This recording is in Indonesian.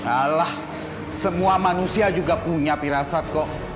alah semua manusia juga punya pirasat kok